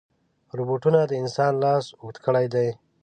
روبوټونه د انسان لاس اوږد کړی دی.